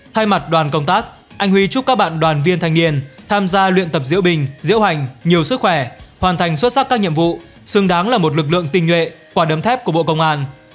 thay mặt đoàn công tác anh huy chúc các bạn đoàn viên thanh niên tham gia luyện tập diễu bình diễu hành nhiều sức khỏe hoàn thành xuất sắc các nhiệm vụ xứng đáng là một lực lượng tinh nhuệ quả đấm thép của bộ công an